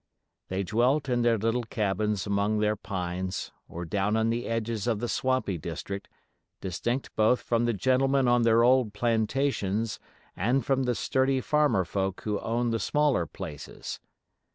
They dwelt in their little cabins among their pines, or down on the edges of the swampy district, distinct both from the gentlemen on their old plantations and from the sturdy farmer folk who owned the smaller places.